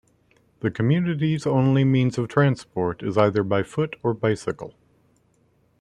The community's only means of transport is either by foot or bicycle.